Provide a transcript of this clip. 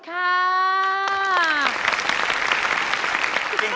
น้ำขิงถูกสุดค่ะ